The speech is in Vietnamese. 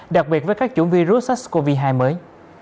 đặc biệt với các chủng virus sars cov hai mới